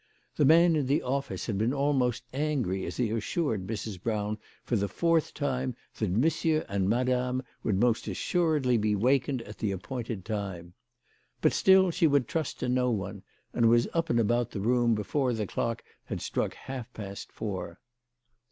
The man in the office had almost been angry as he assured Mrs. Brown for the fourth time that Monsieur and Madame would most assuredly be wakened at the appointed time. But still she would trust to no one, and was up and about the room before the clock had struck half past four.